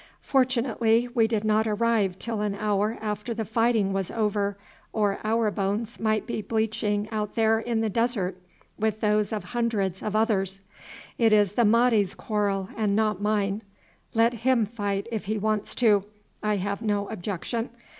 Fortunately we did not arrive till an hour after the fighting was over, or our bones might be bleaching out there in the desert with those of hundreds of others. It is the Mahdi's quarrel and not mine. Let him fight if he wants to, I have no objection.